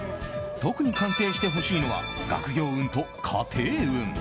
特に鑑定してほしいのは学業運と家庭運。